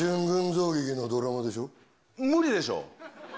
無理でしょ？